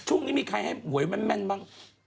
ช่วงนี้มีใครให้หวยแม่นบ้าง